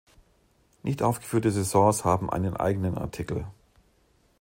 Nicht aufgeführte Saisons haben einen eigenen Artikel.